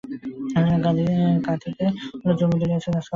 তা ছাড়া কাঁথিতে ছোট জমিদারি আছে- তবে আজকাল কিস্তি দিয়ে কী-ই বা থাকে?